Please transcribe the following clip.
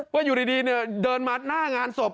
ว่าอยู่ดีเดินมาหน้างานศพ